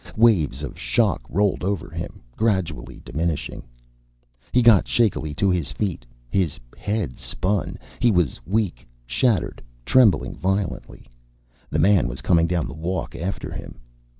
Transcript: Waves of shock rolled over him, gradually diminishing. He got shakily to his feet. His head spun. He was weak, shattered, trembling violently. The man was coming down the walk after him.